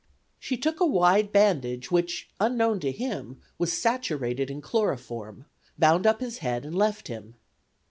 She took a wide bandage which, unknown to him, was saturated in chloroform, bound up his head and left him.